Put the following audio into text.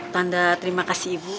tanda terima kasih ibu